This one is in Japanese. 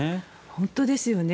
本当ですよね。